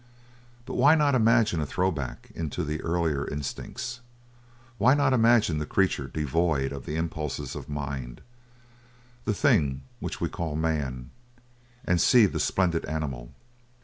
But why not imagine a throw back into the earlier instincts? Why not imagine the creature devoid of the impulses of mind, the thing which we call man, and see the splendid animal?